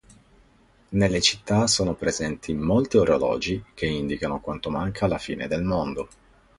Nelle città sono presenti molti orologi che indicano quanto manca alla fine del mondo.